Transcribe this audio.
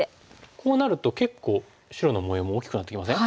こうなると結構白の模様も大きくなってきません？